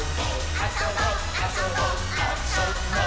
「あそぼあそぼあ・そ・ぼっ」